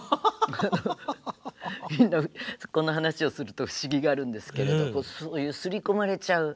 みんなこの話をすると不思議がるんですけど刷り込まれちゃう。